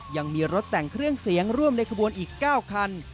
ยังมีรถแต่งเครื่องเสียงร่วมในขบวนอีก๙คัน